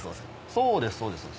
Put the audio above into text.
そうですそうです。